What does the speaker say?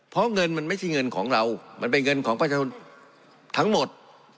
เพราะเงินมันไม่ใช่เงินของเรามันเป็นเงินของประชาชนทั้งหมด